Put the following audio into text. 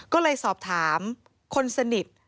ก็เลยสอบถามคนสนิท